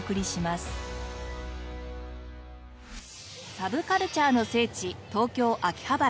サブカルチャーの聖地東京秋葉原。